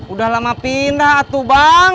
udah lama pindah tuh bang